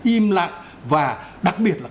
im lặng và đặc biệt là